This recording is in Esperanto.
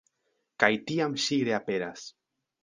Kaj tiam ŝi reaperas.